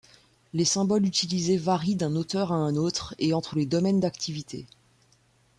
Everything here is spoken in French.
Les symboles utilisés varient d'un auteur à un autre et entre les domaines d'activité.